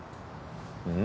うん？